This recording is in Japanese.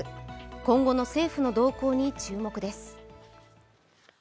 今後の政府の動向に注目です。